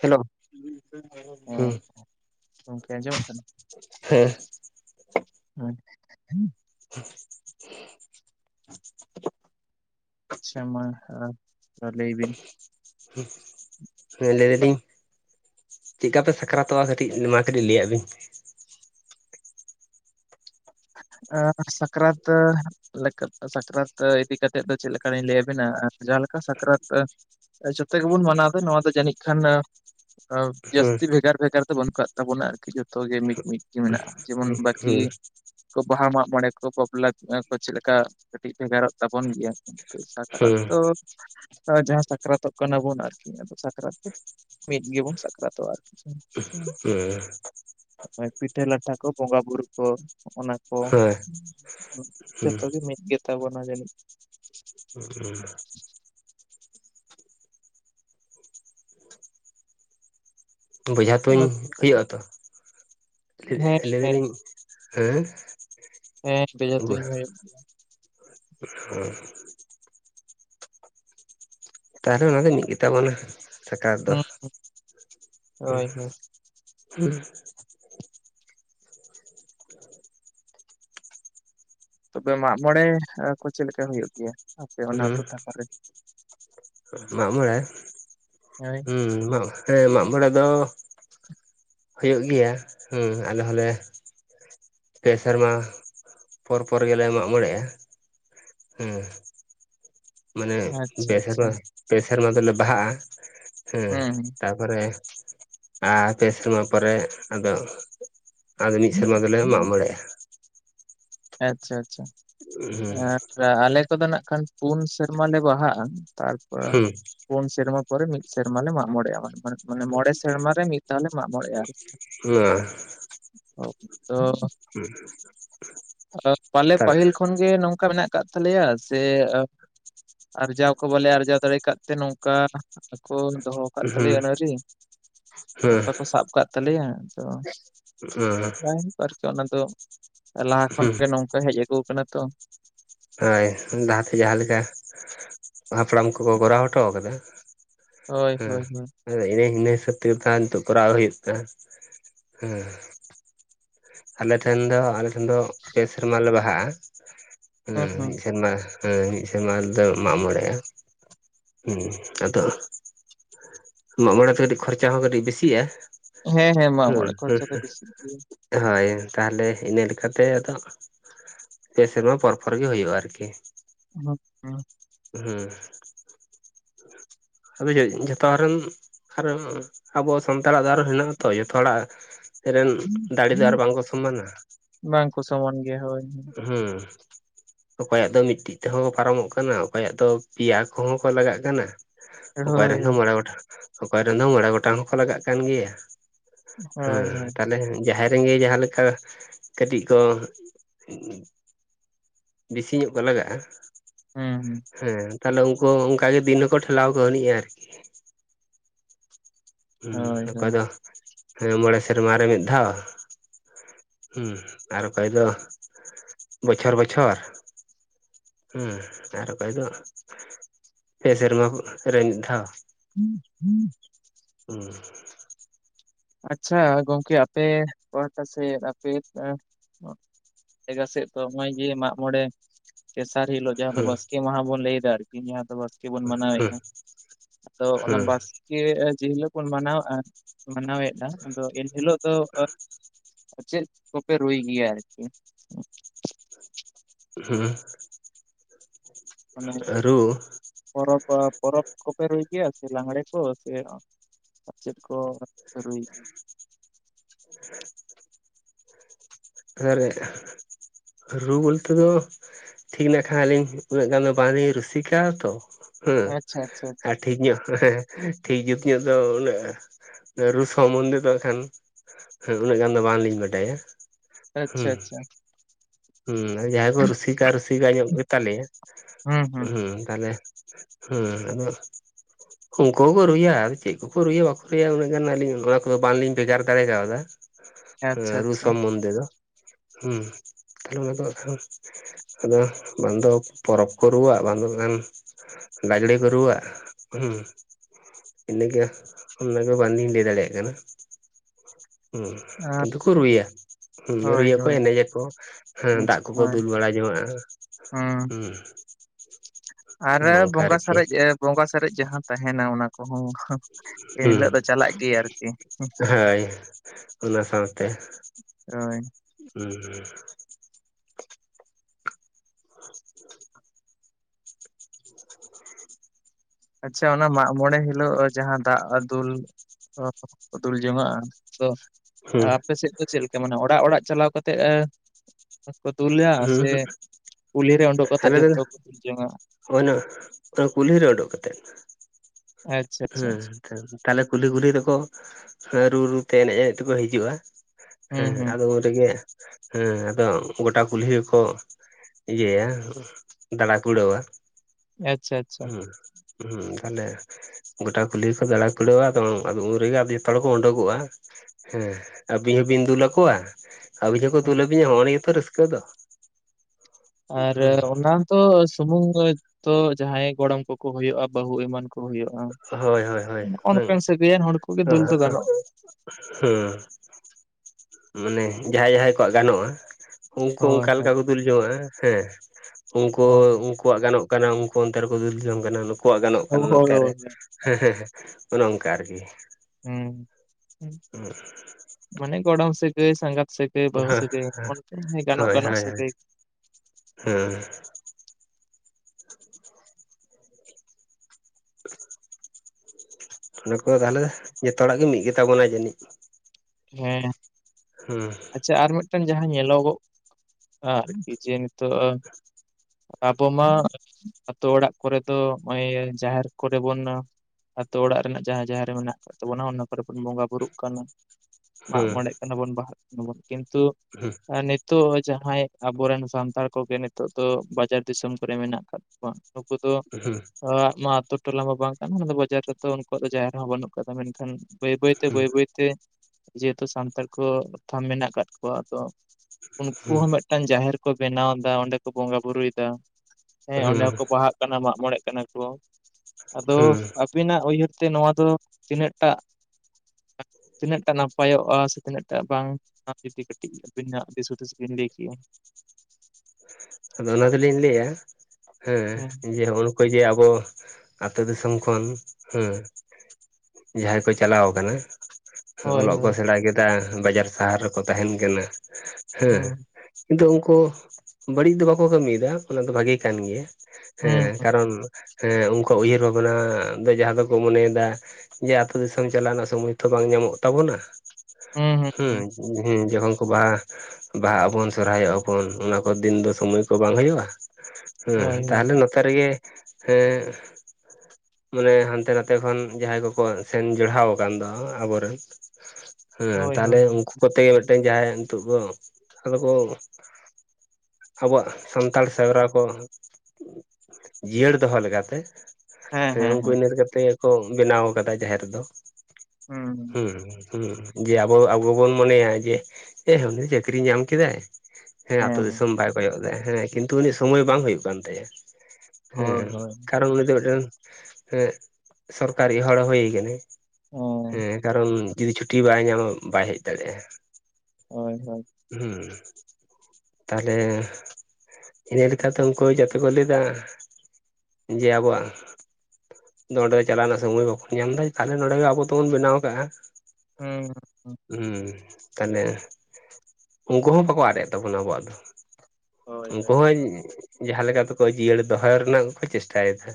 Hello ᱦᱩᱸ ᱜᱚᱝᱠᱮ, ᱦᱮᱸ ᱜᱚᱝᱠᱮ ᱟᱸᱡᱚᱢᱚᱜ ᱠᱟᱱᱟ ᱦᱮᱸ᱾ [inaudible] [inaudible] [inaudible] ᱟᱪᱪᱷᱟ ᱢᱟ ᱞᱟᱹᱭ ᱵᱤᱱ ᱦᱮᱸ ᱞᱟᱹᱭ ᱫᱟᱞᱤᱧ ᱪᱮᱠᱟᱯᱮ ᱥᱟᱠᱨᱟᱛᱚᱜ-ᱟ ᱠᱟᱹᱴᱤᱡ ᱢᱟ ᱠᱟᱹᱴᱤᱡ ᱞᱟᱹᱭᱟᱜ ᱵᱤᱱ ᱥᱟᱠᱨᱟᱛ ᱫᱚ ᱥᱟᱠᱨᱟᱛ ᱤᱫᱤ ᱠᱟᱛᱮᱫ ᱫᱚ ᱪᱮᱫ ᱞᱮᱠᱟ ᱞᱤᱧ ᱞᱟᱹᱭ ᱟᱵᱤᱱᱟ ᱟᱨ ᱡᱟᱦᱟᱸ ᱞᱮᱠᱟ ᱥᱟᱠᱨᱟᱛ ᱡᱚᱛᱚ ᱜᱮᱵᱚᱱ ᱢᱟᱱᱟᱣ ᱫᱟ ᱱᱚᱣᱟ ᱫᱚ ᱡᱟᱹᱱᱤᱡ ᱠᱷᱟᱱ ᱦᱩᱸ ᱡᱟᱹᱥᱛᱤ ᱵᱷᱮᱜᱟᱨ ᱵᱷᱮᱜᱟᱨ ᱫᱚ ᱵᱟᱹᱱᱩᱜ ᱠᱟᱜ ᱛᱟᱵᱚᱱᱟ ᱟᱨᱠᱤ ᱡᱚᱛᱚ ᱜᱮ ᱢᱤᱫ ᱢᱤᱫ᱾ ᱢᱮᱱᱟᱜᱼᱟ ᱡᱮᱢᱚᱱ ᱦᱩᱸ ᱵᱟᱠᱤ ᱦᱩᱸ ᱵᱟᱦᱟ ᱢᱟᱜ ᱢᱚᱬᱮ ᱠᱚ ᱵᱟᱯᱞᱟ ᱠᱚ ᱪᱮᱫ ᱞᱮᱠᱟ ᱠᱟᱹᱴᱤᱡ ᱵᱷᱮᱜᱟᱨᱚᱜ ᱛᱟᱵᱚᱱ ᱜᱮᱭᱟ᱾ ᱥᱟᱠᱨᱟᱛ ᱦᱩᱸ ᱫᱚ ᱡᱟᱦᱟᱸ ᱥᱟᱠᱨᱟᱛᱚᱜ ᱠᱟᱱᱟ ᱵᱚᱱ ᱟᱨᱠᱤ ᱟᱫᱚ ᱥᱟᱠᱨᱟᱛ ᱫᱚ ᱢᱤᱫ ᱜᱮᱵᱚᱱ ᱥᱟᱠᱨᱟᱛᱚᱜ-ᱟ ᱟᱨ ᱪᱮᱫ᱾ ᱯᱤᱴᱷᱟᱹ ᱞᱟᱴᱷᱟ ᱠᱚ ᱵᱚᱸᱜᱟ ᱵᱩᱨᱩ ᱠᱚ ᱚᱱᱟ ᱠᱚ ᱦᱩᱸ ᱦᱮᱸ ᱡᱚᱛᱚ ᱜᱮ ᱢᱤᱫ ᱜᱮᱛᱟ ᱵᱚᱱᱟ ᱡᱟᱹᱱᱤᱡ? [inaudible] ᱵᱚᱡᱷᱟ ᱛᱩᱧ ᱦᱩᱭᱩᱜ ᱟᱛᱚ, ᱞᱟᱹᱭ ᱦᱮᱸ ᱦᱮᱸ ᱫᱟᱞᱤᱧᱼᱼ ᱦᱮᱸ᱾ ᱦᱮᱸ ᱵᱮᱡᱷᱟ ᱛᱩᱧ ᱦᱩᱭᱩᱜᱼᱼ ᱦᱩᱸ᱾ ᱛᱟᱦᱞᱮ ᱚᱱᱟ ᱫᱚ ᱢᱤᱫ ᱜᱮᱛᱟ ᱵᱚᱱᱟ ᱥᱟᱠᱨᱟᱛ ᱫᱚ᱾ ᱦᱮᱸ ᱦᱩᱸ᱾ ᱦᱳᱭ ᱦᱳᱭ ᱦᱩᱸ᱾ ᱛᱚᱵᱮ ᱢᱟᱜᱢᱚᱬᱮ ᱟᱨ ᱠᱚ ᱪᱮᱫ ᱞᱮᱠᱟ ᱦᱩᱭᱩᱜ ᱜᱮᱭᱟ ᱟᱯᱮ ᱚᱱᱟ ᱦᱩᱸ ᱴᱚᱴᱷᱟ ᱠᱚᱨᱮ? ᱢᱟᱜ ᱢᱚᱬᱮ᱾ ᱦᱳᱭ ᱦᱩᱸ ᱦᱮᱸ ᱢᱟᱜ ᱢᱚᱬᱮ ᱫᱚ ᱦᱳᱭᱳᱜ ᱜᱮᱭᱟ ᱦᱩᱸ ᱟᱞᱮ ᱦᱚᱸᱞᱮ᱾ ᱯᱮ ᱥᱮᱨᱢᱟ ᱯᱚᱨ ᱯᱚᱨ ᱜᱮᱞᱮ ᱢᱟᱜ ᱢᱚᱬᱮᱜᱼᱟ ᱦᱩᱸ᱾ ᱢᱟᱱᱮ ᱟᱪᱪᱷᱟ ᱯᱮ ᱟᱪᱪᱷᱟ ᱥᱮᱨᱢᱟ ᱯᱮ ᱥᱮᱨᱢᱟ ᱫᱚᱞᱮ ᱵᱟᱦᱟᱜᱼᱟ ᱦᱩᱸ, ᱦᱮᱸ ᱛᱟ ᱯᱚᱨᱮ ᱟᱨ ᱯᱮ ᱥᱮᱨᱢᱟ ᱯᱚᱨᱮ ᱟᱫᱚ ᱟᱫᱚ ᱢᱤᱫ ᱦᱮᱸ ᱥᱮᱨᱢᱟ ᱫᱚᱞᱮ ᱢᱟᱜ ᱢᱚᱬᱮᱜᱼᱟ᱾ ᱟᱪᱪᱷᱟ ᱟᱪᱪᱷᱟ᱾ ᱦᱩ ᱟᱨ ᱟᱞᱮ ᱠᱚᱫᱚ ᱱᱟᱜ ᱠᱷᱟᱱ ᱯᱩᱱ ᱥᱮᱨᱢᱟ ᱞᱮ ᱵᱟᱦᱟᱜᱼᱟ, ᱛᱟᱨᱯᱚᱨ ᱦᱩᱸ ᱯᱩᱱ ᱥᱮᱨᱢᱟ ᱯᱚᱨᱮ ᱢᱤᱫ ᱥᱮᱨᱢᱟ ᱞᱮ ᱢᱟᱜ ᱢᱚᱬᱮᱜ-ᱟ, ᱢᱚᱱᱮ ᱢᱚᱱᱮ ᱢᱟᱱᱮ ᱢᱚᱬᱮ ᱥᱮᱨᱢᱟ ᱨᱮ ᱢᱤᱫ ᱫᱷᱟᱣ ᱞᱮ ᱢᱟᱜ ᱢᱚᱬᱮᱜᱼᱟ᱾ ᱦᱩ ᱚ ᱯᱟᱞᱮ ᱯᱟᱦᱤᱞ ᱜᱮ ᱱᱚᱝᱠᱟ ᱢᱮᱱᱟᱜ ᱠᱟᱜ ᱛᱟᱞᱮᱭᱟ ᱥᱮ ᱟᱨᱡᱟᱣ ᱠᱚ ᱵᱟᱞᱮ ᱟᱨᱡᱟᱣ ᱫᱟᱲᱮᱜ ᱠᱟᱫ ᱛᱮ ᱱᱚᱝᱠᱟ᱾ ᱟᱠᱚᱼᱼ ᱫᱚᱦᱚᱣ ᱠᱟᱫ ᱦᱩᱸ ᱛᱟᱞᱮᱭᱟ ᱟᱹᱱ ᱟᱹᱨᱤ ᱱᱟᱯᱟᱭ ᱠᱚ ᱥᱟᱵ ᱠᱟᱜ ᱛᱟᱞᱮᱭᱟ ᱟᱫᱚ, ᱦᱩᱸ ᱡᱟᱭ ᱦᱳᱭ ᱟᱨᱠᱤ ᱚᱱᱟ ᱫᱚ ᱞᱟᱦᱟ ᱠᱷᱚᱱ ᱦᱩᱸ ᱜᱮ ᱱᱚᱝᱠᱟ ᱦᱮᱡ ᱟᱹᱜᱩᱣ ᱠᱟᱱᱟ ᱛᱚ᱾ ᱦᱳᱭ, ᱞᱟᱦᱟᱛᱮ ᱡᱟᱦᱟᱸ ᱞᱮᱠᱟ ᱦᱟᱯᱲᱟᱢ ᱠᱚᱠᱚ ᱠᱚᱨᱟᱣ ᱦᱚᱴᱚᱣ ᱠᱟᱫᱟ᱾ ᱦᱳᱭ ᱦᱳᱭ ᱦᱳᱭ ᱦᱮᱸ ᱤᱱᱟᱹ ᱦᱤᱱᱟᱹ ᱦᱤᱥᱟᱹᱵ ᱛᱮᱜᱮ ᱛᱟᱣ ᱱᱤᱛᱚᱜ ᱠᱚᱨᱟᱣ ᱦᱩᱭᱩᱜ ᱠᱟᱱᱟ᱾ ᱦᱮᱸ᱾ ᱟᱞᱮ ᱴᱷᱮᱱ ᱫᱚ, ᱟᱞᱮ ᱫᱚ ᱯᱮ ᱥᱮᱨᱢᱟ ᱞᱮ ᱵᱟᱦᱟᱜᱼᱟ᱾ ᱦᱩᱸ ᱦᱩᱸ ᱦᱮᱸ ᱢᱤᱫ ᱥᱮᱨᱢᱟ ᱦᱮᱸ ᱢᱤᱫ ᱥᱮᱨᱢᱟ ᱨᱮᱫᱚ ᱢᱟᱜ ᱢᱚᱬᱮᱜ-ᱟ᱾ ᱦᱮᱸ ᱟᱫᱚ, ᱢᱟᱜ ᱢᱚᱬᱮ ᱛᱚ ᱠᱟᱹᱴᱤᱡ ᱠᱷᱚᱨᱪᱟ ᱦᱚᱸ ᱠᱟᱹᱴᱤᱡ ᱵᱮᱥᱤᱜᱼᱟ᱾ ᱦᱮᱸ ᱦᱮᱸ ᱢᱟᱜᱢᱚᱬᱮ ᱠᱷᱚᱨᱪᱟ ᱫᱚ ᱵᱮᱥᱤᱜ ᱜᱮᱭᱟ ᱾ ᱦᱳᱭ, ᱛᱟᱦᱞᱮ ᱤᱱᱟᱹ ᱞᱮᱠᱟᱛᱮ ᱟᱫᱚ ᱯᱮ ᱥᱮᱨᱢᱟ ᱯᱚᱨ ᱯᱚᱨ᱾ ᱯᱚᱨ ᱜᱮ ᱦᱩᱭᱩᱜᱼᱟ ᱟᱨᱠᱤ᱾ [inaudible] ᱦᱩᱸ᱾ ᱟᱫᱚ ᱡᱚᱛᱚ ᱨᱮᱱ ᱦᱚᱲ ᱨᱮᱱ ᱟᱨᱚ ᱟᱵᱚ ᱥᱟᱱᱛᱟᱲᱟᱜ ᱫᱚ ᱟᱨᱚ ᱦᱮᱱᱟᱜ ᱟᱛᱚ ᱡᱚᱛᱚ ᱦᱚᱲᱟᱜ ᱨᱮᱱ ᱫᱟᱲᱮ ᱫᱚ ᱦᱩᱸ ᱟᱨᱚ ᱵᱟᱝᱠᱚ ᱥᱚᱢᱟᱱᱟ᱾ ᱵᱟᱝ ᱠᱚ ᱥᱚᱢᱟᱱ ᱜᱮᱭᱟ ᱦᱳᱭ᱾ ᱦᱩᱸ᱾ ᱚᱠᱚᱭᱟᱜ ᱫᱚ ᱢᱤᱫᱴᱤᱡ ᱛᱮᱦᱚᱸ ᱯᱟᱨᱚᱢᱚᱜ ᱠᱟᱱᱟ, ᱚᱠᱚᱭᱟᱜ ᱫᱚ ᱯᱮᱭᱟ ᱠᱚᱦᱚᱸ ᱠᱚ ᱞᱟᱜᱟᱜ ᱠᱟᱱᱟ᱾ ᱚᱠᱚᱭ ᱦᱳᱭ ᱦᱳᱭ ᱨᱮᱱ ᱫᱚ ᱢᱚᱲᱮ ᱜᱚᱴᱟᱝ, ᱚᱠᱚᱭ ᱨᱮᱱ ᱫᱚ ᱢᱚᱬᱮ ᱜᱚᱴᱟᱝ ᱦᱚᱸᱠᱚ ᱞᱟᱜᱟᱜ ᱠᱟᱱ ᱜᱮᱭᱟ᱾ ᱦᱳᱭ ᱦᱮᱸ, ᱦᱳᱭ ᱛᱟᱦᱞᱮ ᱡᱟᱦᱟᱭ ᱨᱮᱝᱜᱮ ᱡᱟᱦᱟᱸ ᱞᱮᱠᱟ ᱠᱟᱹᱴᱤᱡ ᱫᱚ ᱵᱮᱥᱤ ᱧᱚᱜ ᱠᱚ ᱞᱟᱜᱟᱜᱼᱟ, ᱦᱩᱸ ᱦᱩᱸ ᱦᱮᱸ᱾ ᱛᱟᱦᱞᱮ ᱩᱱᱠᱩ ᱚᱱᱠᱟ ᱜᱮ ᱫᱤᱱ ᱦᱚᱸᱠᱚ ᱴᱷᱮᱞᱟᱣ ᱠᱚ ᱟᱹᱱᱤᱡᱼᱟ᱾ ᱦᱩ ᱦᱳᱭ ᱦᱳᱭ ᱚᱠᱚᱭ ᱫᱚ ᱦᱮ ᱢᱚᱬᱮ ᱥᱮᱨᱢᱟ ᱨᱮ ᱢᱤᱫ ᱫᱷᱟᱣ᱾ ᱦᱩᱸ ᱟᱨ ᱚᱠᱚᱭ ᱫᱚ, ᱵᱚᱪᱷᱚᱨ ᱵᱚᱪᱷᱚᱨ ᱦᱩᱸ ᱟᱨ ᱚᱠᱚᱭ ᱫᱚ ᱯᱮ ᱥᱮᱨᱢᱟ ᱨᱮ ᱢᱤᱫ ᱫᱷᱟᱣ᱾ [unintelligible] ᱦᱩᱸ ᱟᱪᱪᱷᱟ ᱜᱚᱝᱠᱮ ᱟᱯᱮ ᱯᱟᱦᱟᱴᱟ ᱥᱮᱫ ᱟᱯᱮ ᱛᱮᱜᱷᱟ ᱥᱮᱫ ᱛᱚ ᱱᱚᱜᱼᱚᱭ ᱡᱮ ᱢᱟᱜ ᱢᱚᱬᱮ, ᱛᱮᱥᱟᱨ ᱦᱤᱞᱳᱜ ᱡᱟᱦᱟᱸ ᱫᱚ ᱦᱩᱸ ᱵᱟᱥᱠᱮ ᱢᱟᱦᱟ ᱵᱚᱱ ᱞᱟᱹᱭ ᱮᱫᱟ ᱟᱨᱼᱼ ᱡᱟᱦᱟᱸ ᱫᱚ ᱵᱟᱥᱠᱮ ᱵᱚᱱ ᱦᱩᱸ ᱢᱟᱱᱟᱣᱮᱫᱼᱟ᱾ ᱟᱫᱚ ᱚᱲᱟ ᱦᱩᱸ ᱵᱟᱥᱼᱼ ᱠᱮ ᱡᱮ ᱦᱤᱞᱳᱜ ᱵᱚᱱ ᱢᱟᱱᱟᱣᱼᱟ ᱢᱟᱱᱟᱣᱮᱫᱼᱟ ᱟᱫᱚ ᱮᱱ ᱦᱤᱞᱳᱜ ᱫᱚ ᱪᱮᱫ ᱠᱚᱯᱮ ᱨᱩᱭ ᱜᱮᱭᱟ ᱟᱨᱠᱤ? ᱦᱩᱸ ᱢᱟᱱᱮ ᱨᱩ ᱯᱚᱨᱚᱵᱽ ᱯᱚᱨᱚᱵᱽ ᱠᱚᱯᱮ ᱨᱩᱭ ᱜᱮᱭᱟ ᱥᱮ ᱞᱟᱜᱽᱲᱮ ᱠᱚ ᱥᱮ ᱟᱨ ᱪᱮᱫ ᱠᱚ ᱨᱩᱭ? ᱟᱨᱮ ᱨᱩ ᱵᱚᱞᱛᱮ ᱫᱚ ᱴᱷᱤᱠ ᱱᱟᱠᱷᱟᱱᱞᱤᱧ ᱩᱱᱟᱹᱜ ᱜᱟᱱ ᱫᱚ ᱵᱟᱝᱞᱤᱧ ᱨᱩᱥᱤᱠᱟ ᱛᱚ ᱟᱪᱪᱷᱟ ᱟᱪᱪᱷᱟ ᱦᱮᱸ ᱴᱷᱤᱠ ᱧᱚᱜ ᱴᱷᱤᱠ ᱡᱩᱛ ᱧᱚᱜ ᱫᱚ ᱩᱱᱟᱜ ᱨᱩ ᱥᱚᱢᱵᱚᱱᱫᱷᱮ ᱫᱚ ᱮᱜᱠᱷᱟᱱ ᱦᱮᱸ ᱩᱱᱟᱹᱜ ᱜᱟᱱ ᱫᱚ ᱵᱟᱝᱞᱤᱧ ᱵᱟᱰᱟᱭᱟ᱾ ᱟᱪᱪᱷᱟ ᱦᱩᱸ ᱟᱪᱪᱷᱟ᱾ ᱦᱩᱸ ᱡᱟᱦᱟᱸᱭ ᱠᱚ ᱨᱩᱥᱤᱠᱟ ᱨᱩᱥᱤᱠᱟ ᱧᱚᱜ ᱜᱮᱛᱟᱞᱮᱭᱟ ᱦᱩᱸ ᱛᱟᱦᱞᱮ ᱦᱩᱸ ᱟᱫᱚ [unintelligible] ᱩᱱᱠᱩ ᱦᱚᱸᱠᱚ ᱨᱩᱭᱟ ᱪᱮᱫ ᱠᱚᱠᱚ ᱨᱩᱭᱟ ᱵᱟᱠᱚ ᱨᱩᱭᱟ ᱩᱱᱟᱹᱜ ᱟᱞᱤᱧ ᱚᱱᱟ ᱠᱚᱫᱚ ᱵᱟᱝᱞᱤᱧ ᱵᱮᱜᱟᱨ ᱫᱟᱲᱮ ᱠᱟᱣᱫᱟ᱾ ᱦᱩᱸ ᱟᱪᱪᱷᱟ ᱨᱩ ᱟᱪᱪᱷᱟ ᱥᱚᱢᱵᱚᱱᱫᱷᱮ ᱫᱚ ᱦᱮᱸ ᱛᱟᱦᱞᱮ ᱚᱱᱟ [unintelligible] ᱫᱚ ᱦᱟᱜᱠᱷᱟᱱ ᱟᱫᱚ ᱵᱟᱝᱫᱚ ᱯᱚᱨᱚᱵᱽ ᱠᱚ ᱨᱩᱣᱟᱜ ᱵᱟᱝᱫᱚ ᱠᱟᱱ, ᱞᱟᱜᱽᱲᱮ ᱠᱚ ᱨᱩᱣᱟᱜ ᱦᱩᱸ᱾ ᱤᱱᱟᱹᱜᱮ ᱚᱱᱟᱜᱮ ᱵᱟᱝᱞᱤᱧ ᱞᱮᱭ ᱫᱟᱲᱮᱭᱟᱜ ᱠᱟᱱᱟ᱾ ᱦᱸᱻ ᱟᱨ ᱠᱤᱱᱛᱩ ᱠᱚ ᱨᱩᱭᱟ᱾ ᱦᱩᱸ ᱦᱳᱭ ᱨᱩᱭᱟᱠᱚ ᱦᱳᱭ ᱮᱱᱮᱡ ᱟᱠᱚ ᱦᱮᱸ ᱱᱤᱡ- ᱫᱟᱜ ᱠᱚᱠᱚ ᱦᱳᱭ ᱫᱩᱞ ᱵᱟᱲᱟ ᱡᱚᱝᱟᱜᱼᱟ᱾ ᱦᱩᱸ ᱟᱨ ᱦᱸ ᱱᱚᱝᱠᱟ ᱵᱚᱸᱜᱟ ᱟᱨᱠᱤ᱾ ᱥᱟᱨᱮᱡ ᱵᱚᱸᱜᱟ ᱥᱟᱨᱮᱡ ᱡᱟᱦᱟᱸ ᱛᱟᱦᱮᱱᱟ ᱚᱱᱟ ᱠᱚᱦᱚᱸ ᱦᱩᱸ᱾ ᱮᱱᱦᱤᱞᱳᱜ ᱫᱚ ᱪᱟᱞᱟᱜ ᱜᱮ ᱟᱨᱠᱤ ᱦᱳᱭ ᱚᱱᱟ ᱥᱟᱶᱛᱮ᱾ ᱦᱳᱭ ᱦᱩᱸᱻ [unintelligible] ᱟᱪᱪᱷᱟ ᱚᱱᱟ ᱢᱟᱜ ᱢᱚᱬᱮ ᱦᱤᱞᱳᱜ ᱡᱟᱦᱟᱸ ᱫᱟᱜ ᱫᱩᱞ, ᱚ ᱫᱩᱞ ᱡᱚᱢᱟᱜᱼᱟ ᱛᱚ, ᱦᱩᱸ ᱟᱯᱮ ᱥᱮᱫ ᱫᱚ ᱪᱮᱫ ᱞᱮᱠᱟ ᱢᱟᱱᱮ ᱚᱲᱟᱜ ᱚᱲᱟᱜ ᱪᱟᱞᱟᱣ ᱠᱟᱛᱮ ᱠᱚ ᱫᱩᱞᱟ ᱦᱩᱸ ᱥᱮ ᱠᱩᱞᱦᱤ ᱨᱮ ᱩᱰᱩᱠ ᱠᱟᱛᱮ ᱡᱚᱛᱚ ᱡᱚᱝᱟ᱾ ᱦᱳᱭ ᱱᱟᱜ ᱠᱩᱞᱦᱤ ᱨᱮ ᱩᱰᱩᱠ ᱠᱟᱛᱮᱜ ᱟᱪᱪᱷᱟ ᱟᱪᱪᱷᱟ ᱦᱩᱸ ᱟᱪᱪᱷᱟ ᱛᱟᱦᱟᱞᱮ ᱠᱩᱞᱦᱤ ᱠᱩᱞᱦᱤ ᱨᱮᱠ ᱨᱩ ᱨᱩ ᱛᱮ ᱮᱱᱮᱡ ᱮᱱᱮᱡ ᱛᱮᱠᱚ ᱦᱤᱡᱩᱜᱼᱟ᱾ ᱦᱩᱸ ᱦᱮᱸ ᱦᱩᱸ ᱟᱫᱚ ᱩᱱ ᱨᱮᱜᱮ ᱦᱮᱸ ᱟᱫᱚ ᱜᱚᱼᱼ ᱴᱟ ᱠᱩᱞᱦᱤ ᱠᱚ, ᱤᱭᱟᱹᱭᱟ ᱫᱟᱬᱟ ᱠᱩᱲᱟᱹᱣᱟ᱾ ᱟᱪᱪᱷᱟ ᱟᱪᱪᱷᱟ ᱦᱩᱸ ᱦᱩᱸ ᱛᱟᱦᱟᱞᱮ ᱜᱚᱴᱟ ᱠᱩᱞᱦᱤ ᱠᱚ ᱫᱟᱬᱟ ᱠᱩᱲᱟᱹᱣᱟ ᱟᱫᱚ ᱩᱱ ᱨᱮᱜᱮ ᱡᱚᱛᱚ ᱦᱚᱲ ᱠᱚ ᱩᱰᱩᱠᱚᱜᱼᱟ᱾ ᱦᱮᱸ ᱟᱹᱵᱤᱱ ᱦᱚᱸᱵᱤᱱ ᱫᱩᱞ ᱟᱠᱚᱣᱟ, [unintelligible] ᱦᱩᱸ ᱱᱚᱜ-ᱱᱤᱭᱟᱹ ᱜᱮ ᱛᱚ ᱨᱟᱹᱥᱠᱟᱹ ᱫᱚ᱾ [inaudible] ᱟᱨ ᱦᱩᱸ ᱚᱱᱟ ᱫᱚ ᱥᱩᱢᱩᱝ ᱨᱮ ᱛᱚ ᱡᱟᱦᱟᱸᱭ ᱜᱚᱲᱚᱢ ᱠᱚᱠᱚ ᱦᱩᱭᱩᱜ-ᱟ ᱵᱟᱹᱦᱩ ᱮᱢᱟᱱ ᱠᱚ ᱦᱩᱭᱩᱜ-ᱟ ᱦᱳᱭ ᱦᱳᱭ ᱦᱳᱭ ᱱᱚᱜ-ᱚᱱᱠᱟᱱ ᱥᱟᱹᱜᱟᱹᱭᱟᱱ ᱦᱚᱲ ᱠᱚᱜᱮ ᱫᱩᱞ ᱫᱚ ᱜᱟᱱᱚᱜ-ᱟ᱾ ᱦᱮᱸ᱾ ᱢᱟᱱᱮ ᱡᱟᱦᱟᱸᱭ ᱡᱟᱦᱟᱸᱭ ᱠᱚᱣᱟᱜ ᱜᱟᱱᱚᱜ-ᱟ᱾ ᱩᱱᱠᱩ ᱦᱳᱭ ᱚᱱᱠᱟ ᱞᱮᱠᱟ ᱦᱳᱭ ᱠᱚ ᱫᱩᱞ ᱡᱚᱝᱟᱜ-ᱟ ᱦᱮᱸ ᱩᱱᱠᱩ ᱩᱱ ᱠᱩᱣᱟᱜ ᱜᱟᱱᱚᱜ ᱠᱟᱱᱟ ᱩᱱᱠᱩ ᱚᱱᱛᱮ ᱨᱮᱠᱚ ᱫᱩᱞ ᱡᱚᱝ ᱠᱟᱱᱟ᱾ ᱱᱩᱠᱩᱣᱟᱜ ᱜᱟᱱᱚᱜ ᱦᱳᱭ ᱠᱟᱱᱟ ᱦᱳᱭ ᱱᱚᱛᱮ ᱨᱮ᱾ ᱦᱳᱭ ᱚᱱᱮ ᱚᱱᱠᱟ ᱟᱨᱠᱤ᱾ ᱦᱮᱸ ᱾ [inaudible] ᱢᱟᱱᱮ ᱜᱚᱲᱚᱢ ᱥᱟᱹᱜᱟᱹᱭ ᱥᱟᱜᱟᱛ ᱥᱟᱹᱜ ᱟᱹᱭ ᱵᱟᱹᱦᱩ ᱥᱟᱹᱜᱟᱹᱭᱟ [unintelligible] ᱜᱟᱱᱚᱜ ᱦᱳᱭ ᱦᱳᱭ ᱜᱟᱱᱚᱜ ᱦᱳᱭ ᱥᱟᱹᱜᱟᱹᱭ ᱦᱮᱸ᱾ ᱚᱱᱟ ᱠᱚ ᱫᱚ ᱛᱟᱦᱚᱞᱮ ᱡᱚᱛᱚ ᱦᱚᱲᱟᱜ ᱜᱮ ᱢᱤᱫ ᱜᱮ ᱛᱟᱵᱚᱱᱟ ᱡᱟᱹᱱᱤᱡ ᱾ ᱦᱮᱸ᱾ ᱦᱮᱸ᱾ ᱟᱪᱪᱷᱟ ᱟᱨ ᱢᱤᱫᱴᱟᱝ ᱡᱟᱦᱟᱸ ᱧᱮᱞᱚᱜᱚᱜ-ᱟ ᱡᱮ ᱱᱤᱛᱚᱜ ᱟᱵᱚ ᱢᱟ ᱟᱛᱳ ᱚᱲᱟᱜ ᱠᱚᱨᱮ ᱫᱚ ᱱᱚᱜ-ᱚᱭ ᱡᱟᱦᱮᱨ ᱠᱚᱨᱮ ᱵᱚᱱ ᱟᱛᱳ ᱚᱲᱟᱜ ᱨᱮᱱᱟᱜ ᱡᱟᱦᱟᱸ ᱡᱟᱦᱮᱨ ᱢᱮᱱᱟᱜ ᱟᱠᱟᱫ ᱛᱟᱵᱚᱱᱟ ᱚᱱᱟ ᱠᱚᱨᱮ ᱵᱚᱱ ᱵᱚᱸᱜᱟ ᱵᱩᱨᱩᱜ ᱠᱟᱱᱟ᱾ ᱢᱟᱜ ᱦᱩᱸ ᱢᱚᱬᱮᱜ ᱠᱟᱱᱟ ᱵᱚᱱ ᱵᱟᱦᱟᱜ ᱠᱟᱱᱟ ᱵᱚᱱ ᱠᱤᱱᱛᱩ ᱦᱩᱸ ᱱᱤ ᱛᱚ ᱡᱟᱦᱟᱸᱭ ᱟᱵᱚᱨᱮᱱ ᱥᱟᱱᱛᱟᱲ ᱠᱚᱜᱮ ᱱᱤᱛᱚᱜ ᱫᱚ ᱵᱟᱡᱟᱨ ᱫᱤᱥᱚᱢ ᱠᱚᱨᱮ ᱢᱮᱱᱟᱜ ᱟᱠᱟᱫ ᱠᱚᱣᱟ᱾ ᱱᱩᱠᱩ ᱫᱚ ᱱᱚᱣᱟ ᱟᱛᱩ ᱴᱚᱞᱟ ᱢᱟ ᱵᱟᱝ ᱠᱟᱱᱟ ᱚᱱᱟ ᱫᱚ ᱵᱟᱡᱟᱨ ᱨᱮ ᱛᱚ ᱩᱱᱠᱩᱣᱟᱜ ᱫᱚ ᱡᱟᱦᱮᱨ ᱦᱚᱸ ᱵᱟᱹᱱᱩᱜ ᱟᱠᱟᱫᱟ ᱢᱮᱱᱠᱷᱟᱱ ᱵᱟᱹᱭ ᱵᱟᱹᱭᱛᱮ ᱦᱩᱸ ᱵᱟᱹᱭ ᱵᱟᱹᱭᱛᱮ ᱡᱚᱛᱚ ᱥᱟᱱᱛᱟᱲ ᱠᱚ ᱛᱷᱟᱢ ᱢᱮᱱᱟᱜ ᱟᱠᱟᱫ ᱠᱚᱣᱟ᱾ ᱟᱫᱚ ᱩᱱᱠᱩ ᱦᱚᱸ ᱢᱤᱫᱴᱟᱱ ᱡᱟᱦᱮᱨ ᱠᱚ ᱵᱮᱱᱟᱣ ᱮᱫᱟ ᱚᱸᱰᱮ ᱠᱚ ᱵᱚᱸᱜᱟ ᱵᱩᱨᱩᱭᱮᱫᱟ᱾ ᱦᱮᱸ ᱦᱩᱸ ᱦᱩᱸ ᱚᱸᱰᱮ ᱦᱚᱸᱠᱚ ᱵᱟᱦᱟᱜ ᱠᱟᱱᱟ ᱢᱟᱜ ᱢᱚᱬᱮᱜ ᱠᱟᱱᱟ ᱠᱚ ᱾ ᱟᱫᱚ ᱦᱩᱸ ᱟᱹᱵᱤᱱᱟᱜ ᱩᱭᱦᱟᱹᱨ ᱛᱮ ᱱᱚᱣᱟ ᱫᱚ ᱛᱤᱱᱟᱹᱜ ᱴᱟᱜ ᱛᱤᱱᱟᱹᱜ ᱴᱟᱜ ᱱᱟᱯᱟᱭᱚᱜ-ᱟ ᱥᱮ ᱛᱤᱱᱟᱹᱜ ᱴᱟᱜ ᱵᱟᱝ ᱾ ᱱᱚᱣᱟ ᱠᱚ ᱤᱫᱤ ᱠᱟᱛᱮᱫ ᱟᱹᱵᱤᱱᱟᱜ ᱫᱤᱥ ᱦᱩᱫᱤᱥ ᱵᱮᱱ ᱞᱟᱹᱭ ᱠᱮᱭᱟ᱾ ᱟᱫᱚ ᱚᱱᱟ ᱫᱚᱞᱤᱧ ᱞᱟᱹᱭᱟ ᱦᱮᱸ ᱡᱮ ᱦᱚᱜ ᱦᱚᱜ-ᱚᱭ ᱡᱮ ᱟᱵᱚ ᱟᱹᱛᱩ ᱫᱤᱥᱚᱢ ᱠᱷᱚᱱ ᱦᱮᱸ ᱡᱟᱦᱟᱸᱭ ᱠᱚ ᱪᱟᱞᱟᱣ ᱟᱠᱟᱱᱟ ᱦᱳᱭ ᱚᱞᱚᱜ ᱠᱚ ᱦᱳᱭ ᱥᱮᱲᱟ ᱠᱮᱫᱟ ᱵᱟᱡᱟᱨ ᱥᱟᱦᱟᱨ ᱨᱮᱠᱚ ᱛᱟᱦᱮᱱ ᱠᱟᱱᱟ ᱦᱮᱸ᱾ ᱦᱩᱸ ᱠᱤᱱᱛᱩ ᱩᱱᱠᱩ ᱵᱟᱹᱲᱤᱡ ᱫᱚ ᱵᱟᱠᱚ ᱠᱟᱹᱢᱤᱭᱮᱫᱟ ᱚᱱᱟ ᱫᱚ ᱵᱷᱟᱜᱮ ᱠᱟᱱ ᱜᱮᱭᱟ ᱾ ᱦᱩᱸ ᱦᱮᱸ ᱠᱟᱨᱚᱱ ᱦᱮᱸ ᱩᱱᱠᱩᱣᱟᱜ ᱩᱭᱦᱟᱹᱨ ᱵᱷᱟᱵᱽᱱᱟ ᱫᱚ ᱡᱟᱦᱟᱸ ᱫᱚᱠᱚ ᱢᱚᱱᱮᱭᱮᱫᱟ ᱡᱮ ᱟᱹᱛᱩ ᱫᱤᱥᱚᱢ ᱪᱟᱞᱟᱜ ᱨᱮᱱᱟᱜ ᱥᱚᱢᱚᱭ ᱛᱚ ᱵᱟᱝ ᱧᱟᱢᱚᱜ ᱛᱟᱵᱚᱱᱟ᱾ ᱦᱩᱸ ᱦᱩᱸ ᱦᱩᱸ ᱡᱚᱠᱷᱚᱱ ᱠᱚ ᱵᱟᱦᱟ ᱵᱟᱦᱟᱜ ᱟᱵᱚᱱ ᱥᱚᱨᱦᱟᱭᱚᱜ ᱟᱵᱚᱱ ᱚᱱᱟ ᱠᱚ ᱫᱤᱱ ᱫᱚ ᱥᱚᱢᱚᱭ ᱠᱚ ᱵᱟᱝ ᱦᱩᱭᱩᱜ-ᱟ ᱦᱳᱭ ᱦᱮᱸ ᱦᱳᱭ ᱛᱟᱦᱚᱞᱮ ᱱᱚᱛᱮ ᱨᱮᱜᱮ ᱦᱮᱸ ᱢᱟᱱᱮ ᱦᱟᱱᱛᱮ ᱱᱟᱛᱮ ᱠᱷᱚᱱ ᱡᱟᱦᱟᱸᱭ ᱠᱚᱠᱚ ᱥᱮᱱ ᱡᱚᱲᱟᱣ ᱟᱠᱟᱱ ᱫᱚ ᱟᱵᱚᱨᱮᱱ ᱦᱮᱸ ᱦᱳᱭ ᱦᱳᱭ ᱛᱟᱦᱚᱞᱮ ᱦᱮᱸ ᱩᱱᱠᱩ ᱠᱚᱛᱮ ᱜᱮ ᱢᱤᱫᱴᱮᱱ ᱡᱟᱦᱟᱸᱭᱟᱜ ᱱᱤᱛᱳᱜ ᱫᱚ ᱟᱫᱚ ᱠᱚ ᱟᱵᱚᱣᱟᱜ ᱥᱟᱱᱛᱟᱲ ᱥᱮᱨᱣᱟ ᱠᱚ ᱡᱤᱭᱟᱹᱲ ᱫᱚᱦᱚ ᱞᱮᱠᱟᱛᱮ᱾ ᱦᱮᱸ ᱩᱱᱠᱩ ᱤᱱᱟᱹ ᱦᱚᱛᱮᱡ ᱛᱮᱠᱚ ᱵᱮᱱᱟᱣ ᱟᱠᱟᱫᱟ ᱡᱟᱦᱮᱨ ᱫᱚ᱾ ᱦᱮᱸ ᱦᱩᱸ ᱦᱩᱸ᱾ ᱡᱮ ᱟᱵᱚ ᱟᱵᱚ ᱵᱚᱱ ᱢᱚᱱᱮᱭᱟ ᱡᱮ ᱩᱱᱤ ᱪᱟᱹᱠᱨᱤ ᱧᱟᱢ ᱠᱮᱫᱟᱭ ᱦᱮᱸ [inaudible] ᱟᱛᱳ ᱫᱤᱥᱚᱢ ᱵᱟᱭ ᱠᱚᱭᱚᱜ ᱮᱫᱟ ᱦᱮᱸ ᱠᱤᱱᱛᱩ ᱩᱱᱤ ᱥᱚᱢᱚᱭ ᱵᱟᱝ ᱦᱩᱭᱩᱜ ᱠᱟᱱ ᱛᱟᱭᱟ᱾ ᱦᱳᱭ ᱦᱮᱸ ᱦᱳᱭ ᱠᱟᱨᱚᱱ ᱩᱱᱤ ᱫᱚ ᱢᱤᱫᱴᱮᱱ ᱥᱚᱨᱠᱟᱨᱤᱡ ᱦᱚᱲᱮ ᱦᱩᱭ ᱟᱠᱟᱱᱟ᱾ ᱦᱮᱸ ᱠᱟᱨᱚᱱ ᱡᱩᱫᱤ ᱪᱷᱩᱴᱤ ᱵᱟᱭ ᱧᱟᱢᱟ ᱵᱟᱭ ᱦᱮᱡ ᱫᱟᱲᱮᱭᱟᱜᱼᱟ᱾ ᱦᱳᱭ ᱦᱳᱭ᱾ ᱦᱮᱸ᱾ ᱛᱟᱦᱚᱞᱮ ᱤᱱᱟᱹ ᱞᱮᱠᱟᱛᱮ ᱩᱱᱠᱩ ᱡᱟᱛᱮ ᱠᱚ ᱞᱟᱹᱭᱫᱟ ᱡᱮ ᱟᱵᱚᱣᱟᱜ ᱱᱚᱸᱰᱮ ᱫᱚ ᱪᱟᱞᱟᱜ ᱨᱮᱱᱟᱜ ᱥᱳᱢᱚᱭ ᱵᱟᱵᱚᱱ ᱧᱟᱢ ᱮᱫᱟ ᱛᱟᱦᱚᱞᱮ ᱱᱚᱰᱮ ᱜᱮ ᱟᱵᱚ ᱫᱚᱵᱚᱱ ᱵᱮᱱᱟᱣ ᱠᱟᱜᱼᱟ᱾ ᱦᱩᱸᱻ ᱦᱩᱸ ᱛᱟᱦᱞᱮ ᱩᱱᱠᱩ ᱦᱚᱸ ᱵᱟᱠᱚ ᱟᱫ ᱮᱫ ᱛᱟᱵᱚᱱᱟ ᱟᱵᱚᱣᱟᱜ ᱫᱚ ᱦᱳᱭ ᱦᱳᱭ ᱩᱱᱠᱩ ᱦᱚᱸ ᱡᱟᱦᱟᱸ ᱞᱮᱠᱟ ᱛᱮᱠᱚ ᱡᱤᱭᱟᱹᱲ ᱫᱚᱦᱚ ᱨᱮᱱᱟᱜ ᱜᱮᱠᱚ ᱪᱮᱥᱴᱟᱭᱮᱫᱟ᱾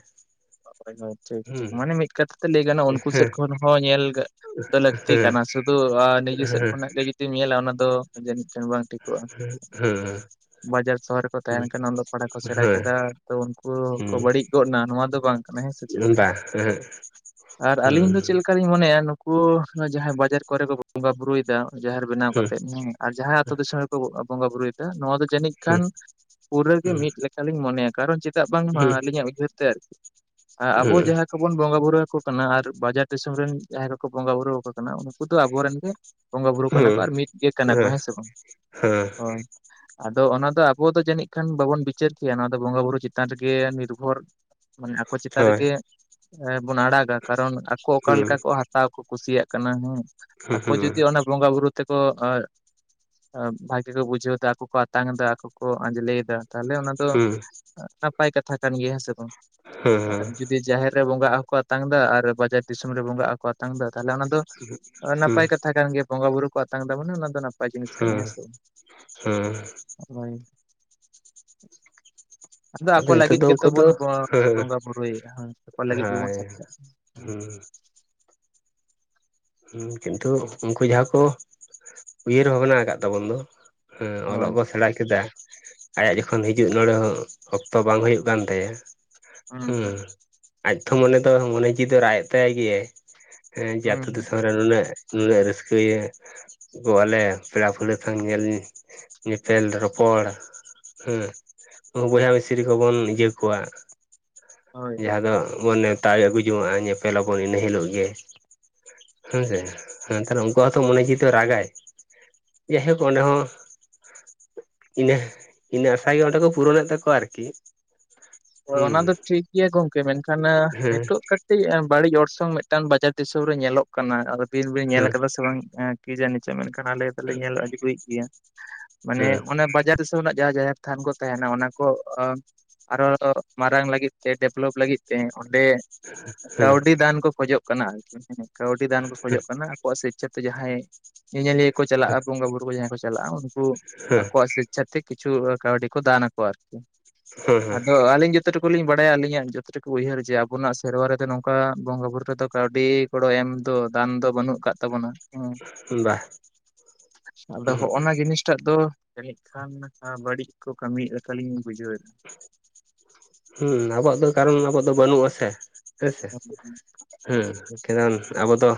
ᱦᱳᱭ ᱦᱳᱭ ᱴᱷᱤᱠ ᱴᱷᱤᱠ ᱦᱩᱸ ᱢᱟᱱᱮ ᱢᱤᱫ ᱠᱟᱛᱷᱟ ᱛᱮ ᱞᱟᱹᱭ ᱜᱟᱱᱚᱜᱼᱟ ᱩᱱᱠᱩ ᱥᱮᱫ ᱦᱮᱸ ᱠᱷᱚᱱ ᱦᱚᱸ ᱧᱮᱞ ᱫᱚ ᱞᱟᱹᱠᱛᱤ ᱦᱮᱸ ᱠᱟᱱᱟ ᱥᱩᱫᱷᱩ ᱱᱤᱡᱮ ᱥᱮᱫ ᱠᱷᱚᱱᱟᱜ ᱜᱮ ᱡᱩᱫᱤᱢ ᱧᱮᱞᱟ ᱚᱱᱟ ᱫᱚ ᱵᱟᱝ ᱴᱷᱤᱠᱚᱜᱼᱟ᱾ ᱦᱮᱸ᱾ ᱵᱟᱡᱟᱨ ᱥᱚᱦᱚᱨ ᱨᱮᱠᱚ ᱛᱟᱦᱮᱱ ᱠᱟᱱᱟ ᱚᱞᱚᱜ ᱯᱟᱲᱦᱟ ᱠᱚ ᱥᱮᱬᱟ ᱦᱮᱸ ᱠᱮᱫᱟ ᱛᱚ ᱩᱱᱠᱩ ᱠᱚ ᱦᱮᱸ ᱵᱟᱹᱲᱤᱡ ᱜᱚᱫ ᱮᱱᱟ ᱱᱚᱣᱟ ᱫᱚ ᱵᱟᱝ ᱠᱟᱱᱟ ᱦᱮᱸ ᱥᱮ ᱪᱮᱫ ᱞᱮᱠᱟ ᱵᱟᱝ ᱦᱮᱸ ᱟᱨ ᱦᱮᱸ ᱟᱹᱞᱤᱧ ᱫᱚ ᱪᱮᱫ ᱞᱮᱠᱟ ᱞᱤᱧ ᱢᱚᱱᱮᱭᱟ ᱱᱩᱠᱩ ᱡᱟᱦᱟᱸᱭ ᱵᱟᱡᱟᱨ ᱠᱚᱨᱮ ᱠᱚ ᱵᱚᱸᱜᱟ ᱵᱨᱩᱭᱮᱫᱟ ᱡᱟᱦᱮᱨ ᱵᱮᱱᱟᱣ ᱠᱟᱛᱮᱜ ᱦᱮᱸ ᱟᱨ ᱡᱟᱦᱟᱸᱭ ᱟᱛᱳ ᱫᱤᱥᱚᱢ ᱨᱮᱠᱚ ᱵᱚᱸᱜᱟ ᱵᱩᱨᱩᱭᱮᱫᱟ ᱱᱚᱣᱟ ᱫᱚ ᱡᱟᱹᱱᱤᱡ ᱠᱷᱟᱱ ᱦᱮᱸ ᱯᱩᱨᱟᱹ ᱜᱮ ᱢᱤᱫ ᱞᱮᱠᱟᱞᱤᱧ ᱢᱚᱱᱮᱭᱟ ᱠᱟᱨᱚᱱ ᱪᱮᱫᱟᱜ ᱵᱟᱝᱢᱟ ᱟᱹᱞᱤᱧᱟᱜ ᱩᱭᱦᱟᱹᱨ ᱛᱮ ᱟᱨᱠᱤ ᱦᱮᱸ ᱟᱵᱚ ᱦᱮᱸ ᱡᱟᱦᱟᱸᱭ ᱠᱚᱵᱚᱱ ᱵᱚᱸᱜᱟ ᱵᱩᱨᱩᱣᱟᱠᱚ ᱠᱟᱱᱟ ᱟᱨ ᱵᱟᱡᱟᱨ ᱫᱤᱥᱚᱢ ᱨᱮᱱ ᱡᱟᱦᱟᱸᱭ ᱠᱚᱠᱚ ᱵᱚᱸᱜᱟ ᱵᱩᱨᱩ ᱟᱠᱚ ᱠᱟᱱᱟ ᱩᱱᱠᱩ ᱫᱚ ᱟᱵᱚᱨᱮᱱ ᱜᱮ ᱵᱚᱸᱜᱟ ᱵᱩᱨᱩ ᱠᱟᱱᱟ ᱠᱚ ᱦᱮᱸ ᱟᱨ ᱢᱤᱫ ᱜᱮ ᱠᱟᱱᱟ ᱠᱚ ᱦᱮᱸ ᱥᱮ ᱵᱟᱝ ᱦᱮᱸ ᱦᱳᱭ᱾ ᱟᱫᱚ ᱚᱱᱟ ᱫᱚ ᱟᱵᱚ ᱫᱚ ᱡᱟᱹᱱᱤᱡ ᱠᱷᱟᱱ ᱵᱟᱵᱚᱱ ᱵᱤᱪᱟᱹᱨ ᱠᱮᱭᱟ ᱱᱚᱣᱟ ᱫᱚ ᱵᱚᱸᱜᱟ ᱵᱩᱨᱩ ᱪᱮᱛᱟᱱ ᱨᱮᱜᱮ ᱱᱤᱨᱵᱷᱚᱨ ᱢᱟᱱᱮ ᱟᱠᱚ ᱪᱮᱛᱟᱱ ᱦᱳᱭ ᱨᱮᱜᱮ ᱵᱚᱱ ᱟᱲᱟᱜᱟ ᱠᱟᱨᱚᱱ ᱟᱠᱚ ᱚᱠᱟ ᱞᱮᱠᱟ ᱦᱩᱸ ᱠᱚ ᱦᱟ ᱦᱟᱛᱟᱣ ᱠᱚ ᱠᱩᱥᱤᱭᱟᱜ ᱠᱟᱱᱟ ᱦᱮᱸ ᱦᱩᱸ ᱦᱩᱸ ᱟᱠᱚ ᱡᱩᱫᱤ ᱦᱩᱸ ᱚᱱᱟ ᱵᱚᱸᱜᱟ ᱵᱩᱨᱩ ᱛᱮᱠᱚ ᱵᱷᱟᱜᱤ ᱠᱚ ᱵᱩᱡᱷᱟᱹᱣ ᱫᱟ ᱟᱠᱚ ᱠᱚ ᱟᱛᱟᱝ ᱮᱫᱟ ᱟᱠᱚ ᱠᱚ ᱟᱸᱡᱽᱞᱮᱭᱮᱫ ᱛᱮ ᱛᱟᱦᱚᱞᱮ ᱚᱱᱟ ᱫᱚ ᱱᱟᱯᱟᱭ ᱠᱟᱛᱷᱟ ᱠᱟᱱ ᱜᱮᱭᱟ ᱦᱮᱸ ᱥᱮ ᱵᱟᱝ? ᱦᱮᱸ᱾ ᱟᱨ ᱡᱩᱫᱤ ᱡᱟᱦᱮᱨ ᱨᱮ ᱵᱚᱸᱜᱟᱜ ᱦᱚᱸᱠᱚ ᱟᱛᱟᱝ ᱮᱫᱟ ᱟᱨ ᱵᱟᱡᱟᱨ ᱫᱤᱥᱚᱢ ᱨᱮ ᱵᱚᱸᱜᱟᱜ ᱦᱚᱸᱠᱚ ᱟ ᱟᱛᱟᱝ ᱮᱫᱟ ᱛᱟᱦᱚᱞᱮ ᱚᱱᱟ ᱫᱚ ᱦᱩᱸ ᱱᱟᱯᱟᱭ ᱠᱟᱛᱷᱟ ᱠᱟᱱ ᱜᱮ ᱵᱚᱸᱜᱟ ᱵᱩᱨᱩ ᱠᱚ ᱟᱛᱟᱝ ᱮᱫᱟ ᱢᱟᱱᱮ ᱚᱱᱟ ᱫᱚ ᱱᱟᱯᱟᱭ ᱱᱟᱯᱟᱭ ᱡᱤᱱᱤᱥ ᱠᱟᱱᱟ ᱦᱩᱸ ᱦᱮᱸᱥᱮ ᱦᱩᱸ ᱦᱳᱭ ᱾ ᱟᱫᱚ ᱟᱠᱚ ᱱᱤᱛᱚᱜ ᱞᱟᱹᱜᱤᱫ ᱫᱚ ᱜᱮᱛᱚ ᱩᱱᱠᱩ ᱫᱚ ᱵᱚᱱ ᱦᱮᱸ ᱵᱚᱸᱜᱟᱼ ᱵᱩᱨᱩᱭᱮᱫᱼᱟ ᱟᱠᱚ ᱞᱟᱹᱜᱤᱫ ᱜᱮᱵᱚᱱ ᱥᱟᱯᱲᱟᱜᱼᱟ᱾ ᱦᱩᱸᱻ ᱦᱮᱸ ᱠᱤᱱᱛᱩ ᱩᱱᱠᱩ ᱡᱟᱦᱟᱸ ᱠᱚ ᱩᱭᱦᱟᱹᱨ ᱵᱷᱟᱵᱽᱱᱟ ᱟᱠᱟᱫ ᱛᱟᱵᱚᱱ ᱫᱚ ᱦᱮᱸ ᱚᱞᱚᱜ ᱦᱳᱭ ᱵᱚ ᱥᱮᱬᱟ ᱠᱮᱫᱟ ᱟᱭᱟᱜ ᱡᱚᱠᱷᱚᱱ ᱦᱤᱡᱩᱜ ᱱᱚᱰᱮ ᱦᱚᱸ ᱚᱠᱛᱚ ᱵᱟᱝ ᱦᱩᱭᱩᱜ ᱠᱟᱱ ᱛᱟᱭᱟ ᱦᱩᱸ ᱟᱡ ᱛᱷᱚ ᱢᱚᱱᱮ ᱫᱚ ᱢᱚᱱᱮ ᱡᱤᱣᱤ ᱫᱚ ᱨᱟᱜ ᱮᱫ ᱛᱟᱭ ᱜᱮᱭᱟ ᱦᱮᱸ ᱡᱟ ᱦᱩᱸ ᱦᱩᱸ, ᱱᱩᱱᱟᱹᱜ ᱱᱩᱱᱟᱹᱜ ᱨᱟᱹᱥᱠᱟᱹ ᱜᱮ ᱜᱚᱜ ᱟᱞᱮ ᱯᱮᱲᱟ ᱯᱟᱹᱲᱦᱟᱹ ᱠᱷᱚᱱ ᱧᱮᱞ ᱧᱮᱯᱮᱞ ᱨᱚᱯᱚᱲ ᱦᱮᱸ ᱵᱚᱭᱦᱟ ᱢᱤᱥᱨᱤ ᱠᱚᱵᱚᱱ ᱤᱭᱟᱹ ᱠᱚᱣᱟ ᱦᱳᱭ ᱦᱳᱭ ᱡᱟᱦᱟᱸ ᱦᱳᱭ ᱫᱚᱵᱚᱱ ᱱᱮᱣᱛᱟᱭ ᱟᱹᱜᱩ ᱡᱚᱝᱼᱟ ᱧᱮᱯᱞ ᱟᱵᱚᱱ ᱤᱱᱟᱹ ᱦᱤᱞᱳᱜ ᱜᱮ ᱦᱮᱸᱥᱮ ᱦᱮᱸ ᱛᱟᱦᱚᱞᱮ ᱩᱱᱠᱩᱣᱟᱜ ᱦᱚᱛᱚ ᱢᱚᱱᱮ ᱡᱤᱣᱤ ᱫᱚ ᱨᱟᱜᱟᱭ᱾ ᱡᱟᱭᱦᱳᱠ ᱚᱸᱰᱮ ᱦᱚᱸ ᱤᱱᱟᱹ ᱤᱱᱟᱹ ᱟᱥᱟ ᱜᱮ ᱚᱸᱰᱮ ᱠᱚ ᱯᱩᱨᱚᱱᱮᱫ ᱛᱟᱠᱚᱣᱟ ᱟᱨᱠᱤ ᱦᱚ ᱚᱱᱟ ᱦᱩᱸ ᱫᱚ ᱴᱷᱤᱠ ᱜᱮᱭᱟ ᱜᱚᱢᱠᱮ ᱢᱮᱱᱠᱷᱟᱱ ᱦᱮᱸ ᱱᱤᱛᱳᱜ ᱠᱟᱹᱴᱤᱡ ᱢᱤᱫᱴᱤᱡ ᱵᱟᱹᱲᱤᱡ ᱚᱨᱥᱚᱝ ᱢᱤᱫᱴᱟᱝ ᱵᱟᱡᱟᱨ ᱫᱤᱥᱚᱢ ᱨᱮ ᱧᱮᱞᱚᱜ ᱠᱟᱱᱟ ᱟᱫᱚ ᱟᱵᱤᱱ ᱵᱤᱱ ᱧᱮᱞ ᱦᱮᱸ ᱟᱠᱟᱫᱟ ᱥᱮ ᱵᱟᱝ? ᱠᱤ ᱡᱟᱱᱤ ᱪᱚ ᱢᱮᱱᱠᱷᱟᱱ ᱟᱞᱮ ᱫᱚᱞᱮ ᱧᱮᱞ ᱟᱹᱜᱩᱭᱮᱫ ᱜᱮᱭᱟ ᱢᱟᱱᱮ ᱦᱮᱸ ᱚᱱᱟ ᱵᱟᱡᱟᱨ ᱨᱮᱱᱟᱜ ᱡᱟᱦᱟᱸ ᱡᱟᱦᱮᱨ ᱛᱷᱟᱱ ᱠᱚ ᱛᱟᱦᱮᱸᱱᱟ ᱚᱱᱟ ᱠᱚ ᱚᱸ ᱟᱨᱚ ᱢᱟᱨᱟᱝ ᱞᱟᱹᱜᱤᱫ ᱥᱮ ᱰᱮᱵᱷᱞᱚᱯ ᱞᱟᱹᱜᱤᱫ ᱛᱮ ᱚᱸᱰᱮ ᱦᱮᱸ ᱠᱟᱹᱣᱰᱤ ᱫᱟᱱ ᱠᱚ ᱠᱷᱚᱡᱚᱜ ᱠᱟᱱᱟ ᱟᱨᱠᱤ ᱦᱮᱸ ᱠᱟᱹᱣᱰᱤ ᱫᱟᱱ ᱠᱚ ᱠᱷᱚᱡᱚᱜ ᱠᱟᱱᱟ᱾ ᱟᱠᱚᱣᱟᱜ ᱥᱮᱪᱪᱷᱟ ᱛᱮ ᱡᱟᱦᱟᱸᱭ ᱧᱮᱧᱮᱞᱤᱭᱟᱹ ᱠᱚ ᱪᱟᱞᱟᱜᱼᱟ ᱵᱚᱸᱜᱟ ᱵᱩᱨᱩ ᱠᱚ ᱡᱟᱦᱟᱸᱭ ᱠᱚ ᱪᱟᱞᱟᱜᱼᱟ ᱩᱱᱠᱩ ᱦᱮᱸ ᱟᱠᱚᱣᱟᱜ, ᱪᱷᱟᱛᱤᱜ ᱠᱤᱪᱷᱩ ᱠᱟᱹᱣᱰᱤ ᱠᱚ ᱫᱟᱱ ᱠᱚ ᱟᱠᱚᱣᱟ ᱟᱨᱠᱤ᱾ ᱦᱚᱭ ᱦᱚᱭ᱾ ᱟᱫᱚ ᱟᱹᱞᱤᱧ ᱡᱚᱛᱚ ᱴᱩᱠᱩᱞᱤᱧ ᱵᱟᱲᱟᱭᱟ ᱟᱹᱞᱤᱧᱟᱜ ᱡᱚᱛᱚ ᱴᱩᱠᱩ ᱞᱤᱧ ᱵᱟᱰᱟᱭᱟ ᱟᱹᱞᱤᱧᱟ ᱡᱚᱛᱚ ᱴᱩᱜ ᱩᱭᱦᱟᱹᱨ ᱡᱮ ᱟᱵᱚᱱᱟᱜ ᱥᱮᱨᱣᱟ ᱨᱮᱫᱚ ᱱᱚᱝᱠᱟ ᱵᱚᱸᱜᱟ ᱵᱩᱨᱩ ᱨᱮᱫᱚ ᱠᱟᱹᱣᱰᱤ ᱜᱚᱲᱚ ᱮᱢ ᱫᱚ ᱫᱟᱱ ᱫᱚ ᱵᱟᱹᱱᱩᱜ ᱟᱠᱟᱫ ᱛᱟᱵᱚᱱᱟ᱾ ᱚᱸ ᱦᱮᱸ ᱵᱟ ᱟᱫᱚ ᱦᱚᱸᱜ-ᱚᱭ ᱱᱚᱣᱟ ᱡᱤᱱᱤᱥᱴᱟᱜ ᱫᱚ, ᱡᱟᱹᱱᱤᱜ ᱠᱷᱟᱱ ᱟᱸ ᱵᱟᱹᱲᱤᱜ ᱠᱚ ᱠᱟᱹᱢᱤᱭᱮᱜ ᱞᱮᱠᱟᱞᱤᱧ ᱵᱩᱡᱷᱟᱹᱣᱮᱜ᱾ ᱦᱩᱸ ᱟᱵᱚᱣᱟᱜ ᱫᱚ ᱠᱟᱨᱚᱱ ᱟᱵᱚᱣᱟᱜ ᱫᱚ ᱵᱟᱹᱱᱩᱜᱼᱟ ᱥᱮ ᱦᱮᱸᱥᱮ, ᱦᱩᱸ ᱠᱟᱨᱚᱱ ᱟᱵᱚ ᱫᱚ,